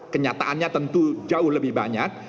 kenyataannya tentu jauh lebih banyak